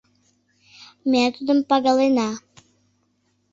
Ме тудым пагалена.